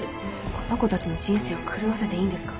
この子達の人生を狂わせていいんですか？